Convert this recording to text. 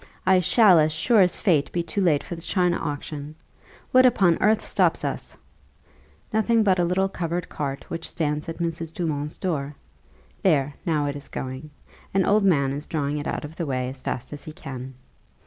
I shall, as sure as fate, be too late for the china auction. What upon earth stops us?" "Nothing but a little covered cart, which stands at Mrs. Dumont's door. There, now it is going; an old man is drawing it out of the way as fast as he can."